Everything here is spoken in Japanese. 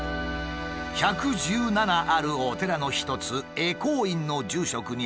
１１７あるお寺の一つ恵光院の住職に話を聞く。